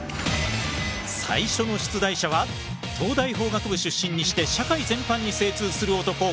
最初の出題者は東大法学部出身にして社会全般に精通する男